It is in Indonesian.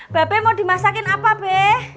bape mau dimasakin apa be